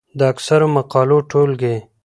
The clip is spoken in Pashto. د اکثرو مقالو ټولګې،